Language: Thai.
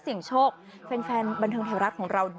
อีกอันอะไรอ่ะ